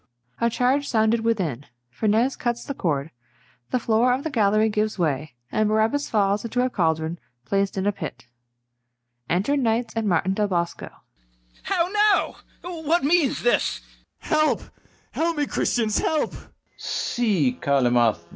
[A charge sounded within: FERNEZE cuts the cord; the floor of the gallery gives way, and BARABAS falls into a caldron placed in a pit. Enter KNIGHTS and MARTIN DEL BOSCO. CALYMATH. How now! what means this? BARABAS. Help, help me, Christians, help! FERNEZE. See, Calymath!